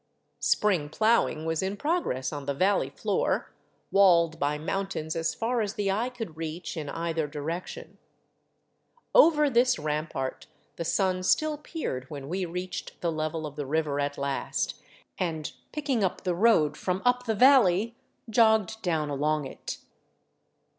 Spring plowing was in progress on the valley floor, walled by mountains as far as the eye could reach in either direction. Over this rampart the sun still peered when we reached the level of the river at last and, picking up the road from up the valley, jogged down along it.